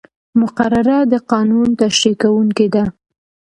مقرره د قانون تشریح کوونکې ده.